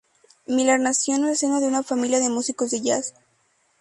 Miller nació en el seno de una familia de músicos de jazz.